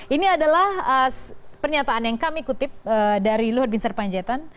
ini adalah pernyataan yang kami kutip dari luhut bin sarpanjaitan